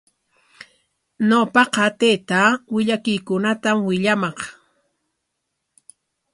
Ñawpaqa taytaa willakuykunatami willamaq.